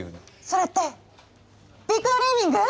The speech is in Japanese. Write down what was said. それってビッグドリーミング？